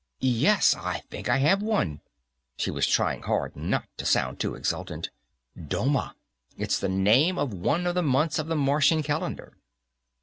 "Yes, I think I have one." She was trying hard not to sound too exultant. "Doma. It's the name of one of the months of the Martian calendar."